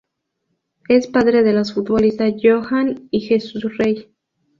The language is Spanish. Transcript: Es padre de los futbolistas Johan y Jesús Rey.